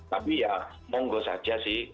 tapi ya monggo saja sih